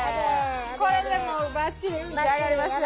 これでもうバッチリ運気上がりますよ。